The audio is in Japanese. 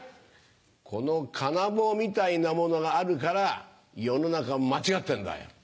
この金棒みたいなものがあるから世の中間違ってんだよ！